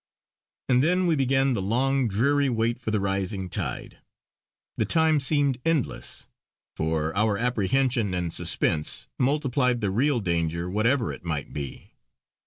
And then we began the long, dreary wait for the rising tide. The time seemed endless, for our apprehension and suspense multiplied the real danger whatever it might be.